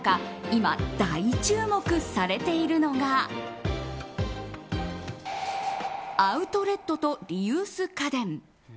今、大注目されているのがアウトレットとリユース家電。